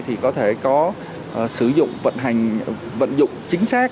thì có thể có sử dụng vận hành vận dụng chính xác